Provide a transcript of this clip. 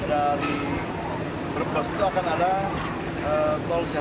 kemudian di pantura di arah dari brebes itu akan ada tol secara fungsional